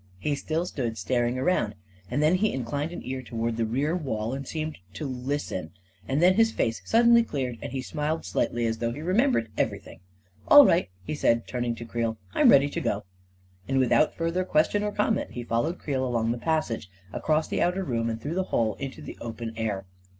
He still stood staring around, and then he inclined an ear toward the rear wall and seemed to listen; and then his face suddenly cleared, and he smiled slightly, as though he remembered everything. "All right," he said, turning to Creel, "I'm ready to go," and without further question or com* ment, he followed Creel along the passage, across the outer room, and through the hole into the open air.